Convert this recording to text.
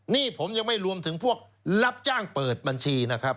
นี่ผมยังไม่รวมถึงพวกรับจ้างเปิดบัญชีนะครับ